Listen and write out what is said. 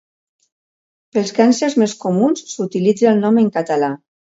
Pels càncers més comuns, s'utilitza el nom en català.